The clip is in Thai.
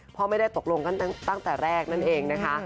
เพราะไม่ได้ตกลงกันตั้งแต่แรกนั่นเองนะคะ